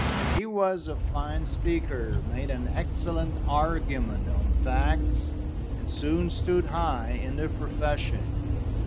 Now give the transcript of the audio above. He was a fine speaker, made an excellent argument on facts, and soon stood high in the profession.